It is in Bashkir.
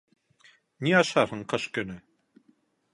Ни ашарһың ҡыш көнө?